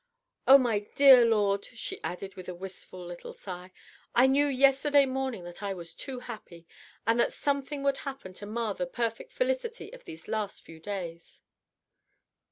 Oh, my dear lord," she added with a wistful little sigh, "I knew yesterday morning that I was too happy, and that something would happen to mar the perfect felicity of these last few days."